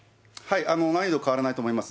難易度変わらないと思います。